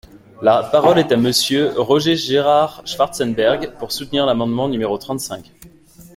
La parole est à Monsieur Roger-Gérard Schwartzenberg, pour soutenir l’amendement numéro trente-cinq.